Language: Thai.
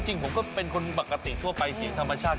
จริงผมก็เป็นคนปกติทั่วไปเสียงธรรมชาติ